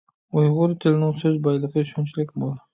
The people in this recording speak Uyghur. ئۇيغۇر تىلىنىڭ سۆز بايلىقى شۇنچىلىك مول!